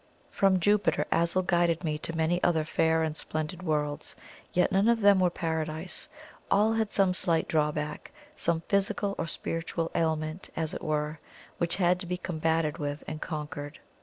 From Jupiter, Azul guided me to many other fair and splendid worlds yet none of them were Paradise; all had some slight drawback some physical or spiritual ailment, as it were, which had to be combated with and conquered.